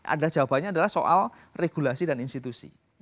ada jawabannya adalah soal regulasi dan institusi